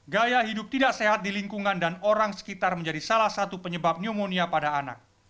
gaya hidup tidak sehat di lingkungan dan orang sekitar menjadi salah satu penyebab pneumonia pada anak